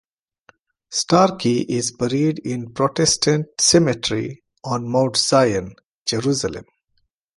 Starkey is buried in Protestant Cemetery on Mount Zion, Jerusalem.